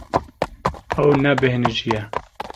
Ew nebêhnijî ye.